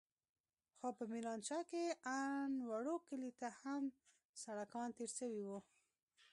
خو په ميرانشاه کښې ان وړو کليو ته هم سړکان تېر سوي وو.